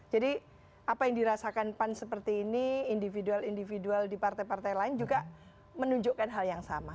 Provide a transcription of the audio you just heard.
jadi apa yang dirasakan pan seperti ini individual individual di partai partai lain juga menunjukkan hal yang sama